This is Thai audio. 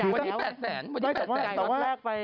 วันที่แปดแสนวันที่แปดแสน